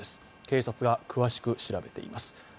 警察が詳しく調べています。